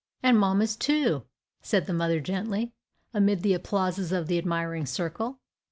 "And mamma's, too!" said the mother gently, amid the applauses of the admiring circle.